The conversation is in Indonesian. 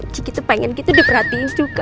jika kita pengen gitu diperhatiin juga